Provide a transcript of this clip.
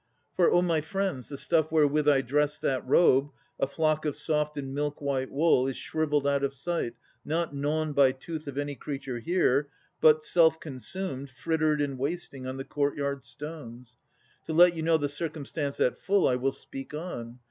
For, O my friends, the stuff wherewith I dressed That robe, a flock of soft and milkwhite wool, Is shrivelled out of sight, not gnawn by tooth Of any creature here, but, self consumed, Frittered and wasting on the courtyard stones. To let you know the circumstance at full, I will speak on.